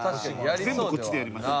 全部こっちでやります。